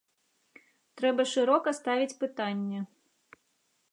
Трэба шырока ставіць пытанне.